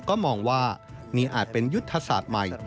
ก็มองว่านี่อาจเป็นยุทธศาสตร์ใหม่